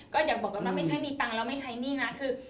ก็อย่าบอกกันว่าไม่ใช่มีตังค์แล้วไม่ใช้หนี้นะคือ